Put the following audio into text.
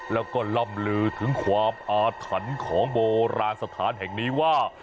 แล้วก็ล่ำลือถึงความอาถรรพ์ของโบราณสถานแห่งนี้ว่า